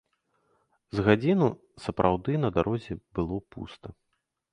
З гадзіну сапраўды на дарозе было пуста.